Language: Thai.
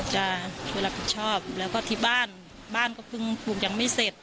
จะช่วยรับผิดชอบแล้วก็ที่บ้านบ้านก็เพิ่งปลูกยังไม่เสร็จ